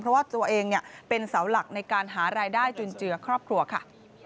เพราะว่าตัวเองเป็นเสาหลักในการหารายได้จุนเจือครอบครัวค่ะ